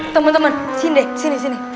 temen temen sini deh